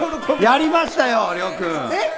やりましたよ、諒君。